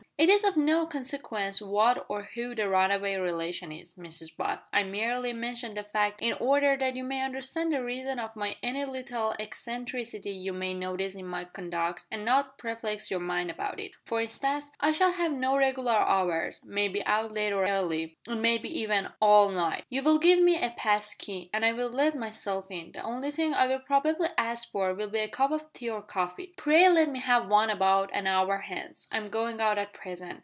"It is of no consequence what or who the runaway relation is, Mrs Butt; I merely mention the fact in order that you may understand the reason of any little eccentricity you may notice in my conduct, and not perplex your mind about it. For instance, I shall have no regular hours may be out late or early it may be even all night. You will give me a pass key, and I will let myself in. The only thing I will probably ask for will be a cup of tea or coffee. Pray let me have one about an hour hence. I'm going out at present.